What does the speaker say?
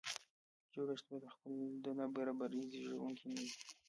جوړښت باید په خپله د نابرابرۍ زیږوونکی نه وي.